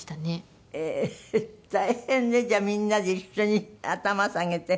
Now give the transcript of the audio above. ええー大変ねじゃあみんなで一緒に頭下げて。